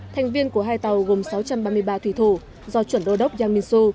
thành viên của hai tàu gồm sáu trăm ba mươi ba thủy thủ do chuẩn đô đốc yang minsu